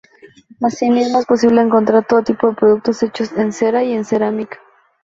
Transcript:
Asimismo es posible encontrar todo tipo de productos hechos en cera y en cerámica.